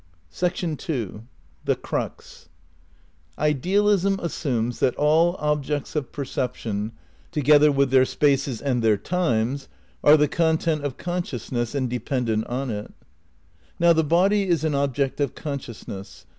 ii Idealism assumes that all objects of perception, to gether with their spaces and their times, are the con tent of consciousness and dependent on it. Now the body is an object of consciousness.